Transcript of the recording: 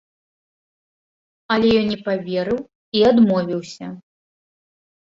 Але ён не паверыў і адмовіўся.